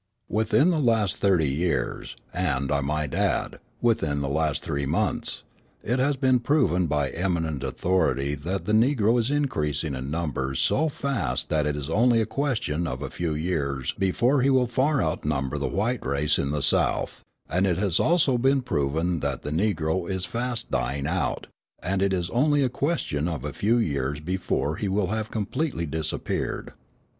Within the last thirty years and, I might add, within the last three months, it has been proven by eminent authority that the Negro is increasing in numbers so fast that it is only a question of a few years before he will far outnumber the white race in the South, and it has also been proven that the Negro is fast dying out, and it is only a question of a few years before he will have completely disappeared.